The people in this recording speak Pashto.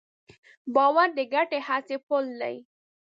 باور د ګډې هڅې پُل دی.